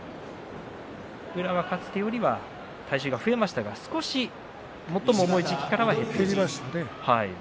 宇良はかつてよりは体重が増えましたが最も重い時期からは減っています。